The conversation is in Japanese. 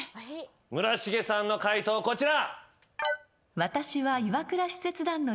村重さんの解答こちら。